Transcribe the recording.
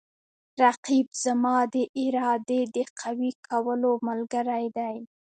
رقیب زما د ارادې د قوي کولو ملګری دی